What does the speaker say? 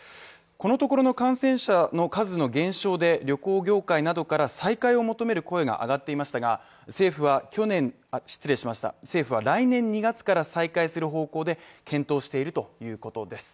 このところの感染者の数の減少で、旅行業界などから再開を求める声が上がっていましたが、政府は来年２月から再開する方向で検討しているということです。